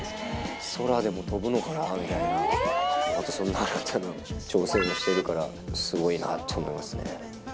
空でも飛ぶのかなみたいな、そんな新たな挑戦をしてるから、すごいなって思いますね。